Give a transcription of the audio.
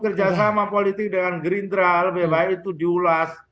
kerja sama politik dengan gerindra lebih baik itu diulas